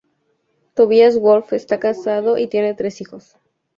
Tobias Wolff está casado y tiene tres hijos.